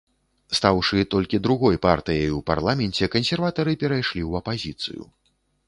Стаўшы толькі другой партыяй у парламенце кансерватары перайшлі ў апазіцыю.